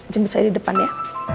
jemput saya di depan ya